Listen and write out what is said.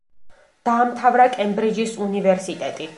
დაამთავრა კემბრიჯის უნივერსიტეტი.